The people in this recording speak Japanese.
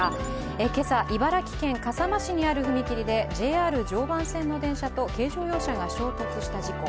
今朝、茨城県笠間市にある踏切でＪＲ常磐線の電車と軽乗用車が衝突した事故。